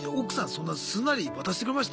そんなすんなり渡してくれました？